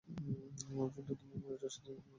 আমার ফোনটি তোমাকে মনিটরের সাথে সংযুক্ত করতে হবে।